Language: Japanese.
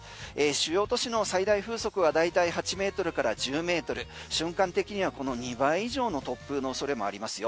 主要都市の最大風速は大体８ｍから１０ｍ瞬間的にはこの２倍以上の突風のおそれもありますよ。